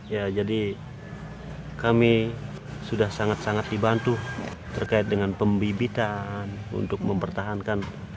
ya jadi kami sudah sangat sangat dibantu terkait dengan pembibitan untuk mempertahankan